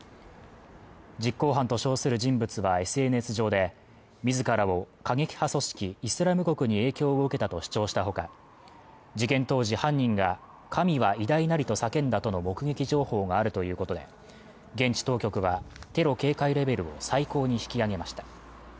実行犯と称する人物はＳＮＳ上で自らを過激派組織イスラム国に影響を受けたと主張したほか事件当時犯人が神は偉大なりと叫んだとの目撃情報があるということで現地当局はテロ警戒レベルを最高に引き上げました